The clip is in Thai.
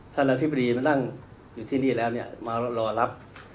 ท่านอธิบดีมานั่งอยู่ที่นี่แล้วเนี่ยมารอรับ